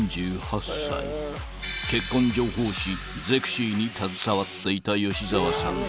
［結婚情報誌『ゼクシィ』に携わっていた吉沢さん］